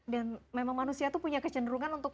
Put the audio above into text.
dan memang manusia tuh punya kecenderungan untuk